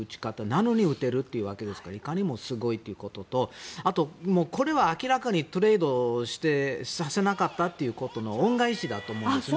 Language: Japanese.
なのに打てるというわけですからいかにもすごいということとこれは明らかにトレードさせなかったということの恩返しだと思いますね。